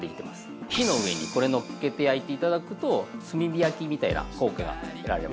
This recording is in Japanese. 火の上にこれのっけて焼いていただくと炭火焼きみたいな効果が得られます。